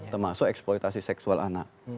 termasuk eksploitasi seksual anak